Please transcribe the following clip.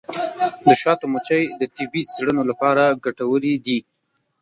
د شاتو مچۍ د طبي څیړنو لپاره ګټورې دي.